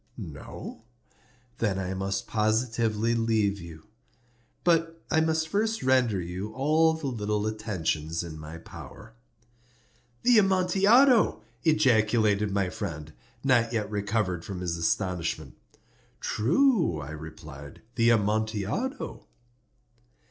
No? Then I must positively leave you. But I must first render you all the little attentions in my power." "The Amontillado!" ejaculated my friend, not yet recovered from his astonishment. "True," I replied; "the Amontillado."